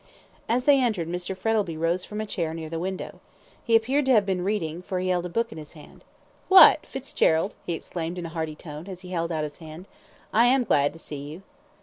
As they entered Mr. Frettlby rose from a chair near the window. He appeared to have been reading, for he held a book in his hand. "What! Fitzgerald," he exclaimed, in a hearty tone, as he held out his hand; "I am glad to see you."